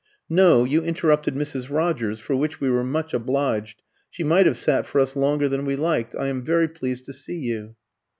"No; you interrupted Mrs. Rogers, for which we were much obliged she might have sat for us longer than we liked. I am very pleased to see you."